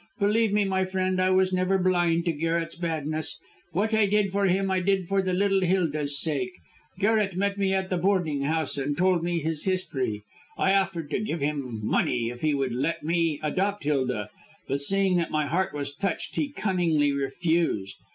Believe me, my friend, I was never blind to Garret's badness. What I did for him, I did for the little Hilda's sake. Garret met me at the boarding house and told me his history. I offered to give him money if he would let me adopt Hilda, but seeing that my heart was touched he cunningly refused.